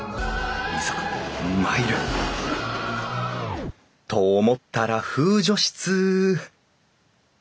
いざ参る！と思ったら風除室